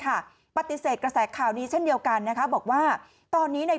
ปฏิเสธกระแสข่าวนี้เช่นเดียวกันนะคะบอกว่าตอนนี้ใน